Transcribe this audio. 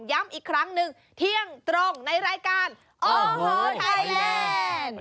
ย้ำอีกครั้งหนึ่งเที่ยงตรงในรายการโอ้โหไทยแลนด์